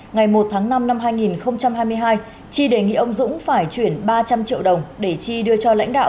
ngày một tháng năm năm hai nghìn hai mươi hai chi đề nghị ông dũng phải chuyển ba trăm linh triệu đồng để chi đưa cho lãnh đạo